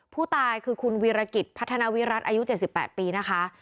ผู้ตายคือคุณวีรกิจพัฒนาวิรัติอายุ๗๘ปีนะคะ